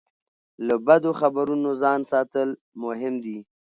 له بدو خبرونو ځان ساتل مهم دي.